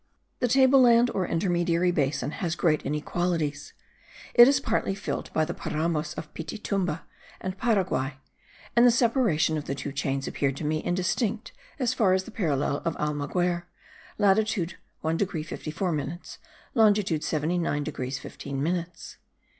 The table land or intermediary basin has great inequalities; it is partly filled by the Paramos of Pitatumba and Paraguay, and the separation of the two chains appeared to me indistinct as far as the parallel of Almaguer (latitude 1 degree 54 minutes; longitude 79 degrees 15 minutes).